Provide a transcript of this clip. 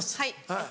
はい。